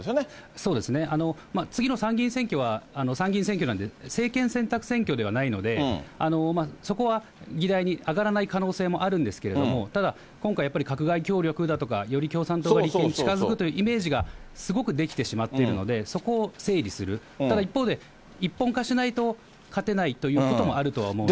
そうですね、次の参議院選挙は参議院選挙なんで、政権選択選挙ではないので、そこは議題に上がらない可能性もあるんですけれども、ただ、今回、やっぱり閣外協力だとか、より共産党に近づくというイメージがすごく出来てしまっているので、そこを整理する、ただ一方で、一本化しないと勝てないということもあるとは思うので。